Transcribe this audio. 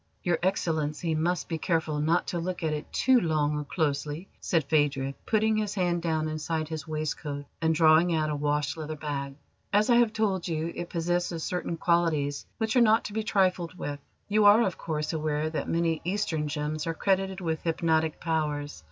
"Your Excellency must be careful not to look at it too long or closely," said Phadrig, putting his hand down inside his waistcoat and drawing out a wash leather bag. "As I have told you, it possesses certain qualities which are not to be trifled with. You are, of course, aware that many Eastern gems are credited with hypnotic powers.